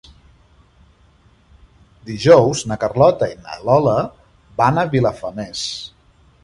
Dijous na Carlota i na Lola van a Vilafamés.